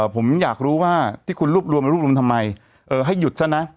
ผมอยากรู้ว่าที่คุณรวบรวมมารวบรวมทำไมให้หยุดซะนะ